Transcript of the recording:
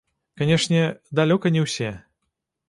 Канечне, далёка не ўсе.